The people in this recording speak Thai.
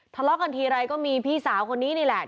ทะเลาะกันทีไรก็มีพี่สาวคนนี้นี่แหละ